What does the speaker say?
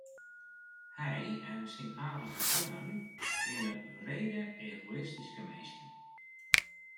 Hy en syn aadlike freonen wiene wrede egoïstyske minsken.